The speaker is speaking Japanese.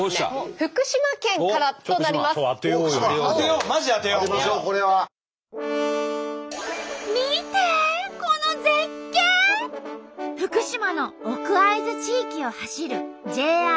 福島の奥会津地域を走るＪＲ只見線です。